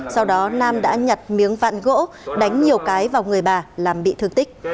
sau đó nam đã nhặt miếng vạn gỗ đánh nhiều cái vào người bà làm bị thương tích